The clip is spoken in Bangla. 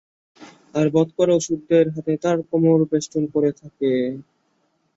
আর বধ করা অসুরদের হাত তাঁর কোমর বেষ্টন করে থাকে।